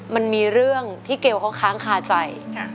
มันมีเรื่องที่เกลเขาค้างคาใจ